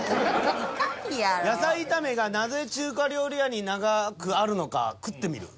野菜炒めがなぜ中華料理屋に長くあるのか食ってみる？